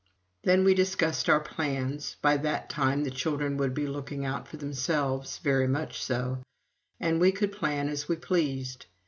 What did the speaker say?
Then we discussed our plans: by that time the children would be looking out for themselves, very much so, and we could plan as we pleased.